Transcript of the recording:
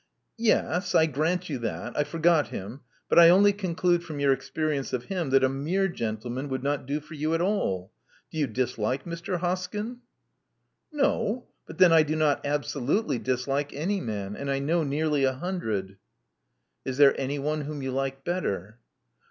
"Yes, I grant you that. I forgot him; but I only conclude from your experience of him that a mere gentleman would not do for you at alL Do you dis like Mr. Hoskyn?" No. But then I do not absolutely dislike any man ; and I know nearly a hundred." "Is there anyone whom you like better?"